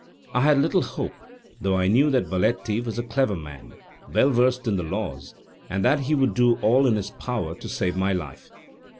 I had little hope, though I knew that Valetti was a clever man, well versed in the law, and that he would do all in his power to save my life.